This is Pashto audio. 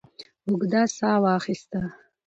اوږده ساه واخسته.